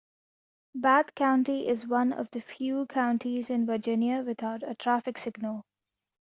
Bath County is one of the few counties in Virginia without a traffic signal.